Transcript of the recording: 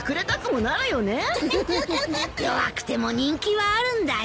弱くても人気はあるんだよ。